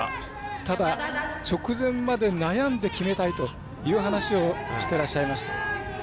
ただ、直前まで悩んで決めたいという話をしてらっしゃいました。